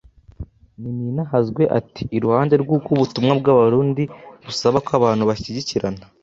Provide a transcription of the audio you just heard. Nininahazwe ati: "Iruhande rw'uko ubumwe bw'Abarundi busaba ko abantu bashyigikirana